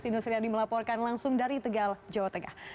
agusin usriani melaporkan langsung dari tegal jawa tengah